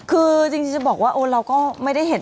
คือจริงจะบอกว่าเราก็ไม่ได้เห็น